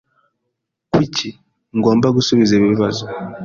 Kuki ngomba gusubiza ibi bibazo?